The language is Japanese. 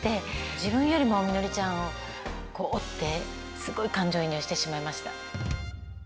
自分よりもみのりちゃんを追ってすごい感情移入してしまいました。